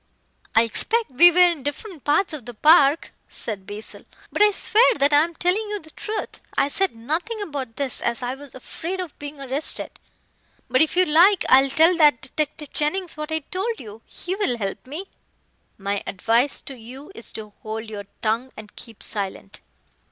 "I expect we were in different parts of the park," said Basil, "but I swear that I am telling you the truth. I said nothing about this, as I was afraid of being arrested. But, if you like, I'll tell that detective Jennings what I told you. He will help me." "My advice to you is to hold your tongue and keep silent."